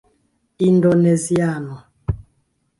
indoneziano